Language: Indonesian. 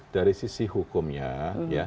dari sisi hukumnya